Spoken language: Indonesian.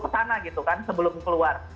ke sana gitu kan sebelum keluar